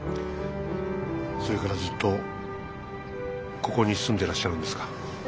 それからずっとここに住んでらっしゃるんですか？